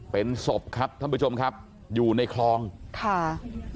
เป็นศพครับท่านผู้ชมครับอยู่ในคลองค่ะ